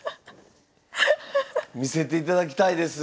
見せていただきたいです。